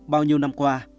bao nhiêu năm qua